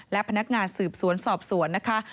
และพนักงานสืบสวนสอบสวนนะคะ